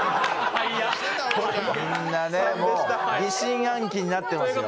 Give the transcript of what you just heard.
疑心暗鬼になってますよ。